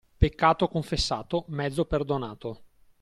Peccato confessato, mezzo perdonato.